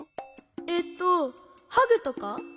えっとハグとか？